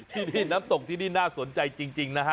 ที่นี่น้ำตกน่าสนใจจริงนะฮะ